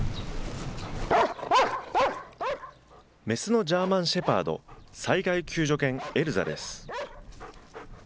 雌のジャーマンシェパード、災害救助犬、エルザです。